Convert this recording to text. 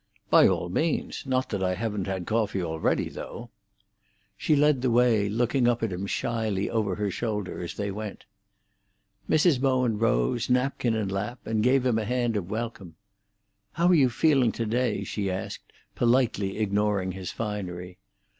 "By all means—not that I haven't had coffee already, though." She led the way, looking up at him shyly over her shoulder as they went. Mrs. Bowen rose, napkin in lap, and gave him a hand of welcome. "How are you feeling to day?" she asked, politely ignoring his finery.